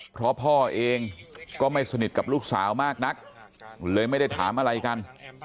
เพราะพ่อเองก็ไม่สนิทกับลูกสาวมากนักเลยไม่ได้ถามอะไรกัน